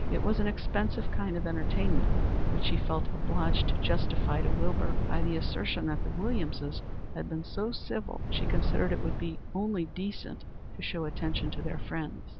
It was an expensive kind of entertainment, which she felt obliged to justify to Wilbur by the assertion that the Williamses had been so civil she considered it would be only decent to show attention to their friends.